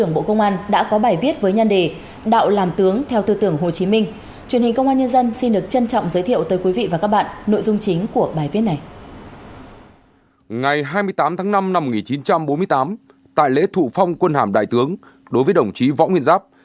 ngày hai mươi tám tháng năm năm một nghìn chín trăm bốn mươi tám tại lễ thủ phong quân hàm đại tướng đối với đồng chí võ nguyên giáp